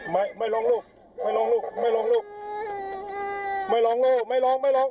ไม่ไม่ร้องลูกไม่ร้องลูกไม่ร้องลูกไม่ร้องลูกไม่ร้องไม่ร้อง